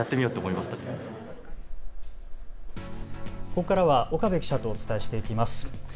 ここからは岡部記者とお伝えしていきます。